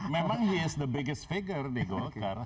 memang dia adalah figure terbesar di golkar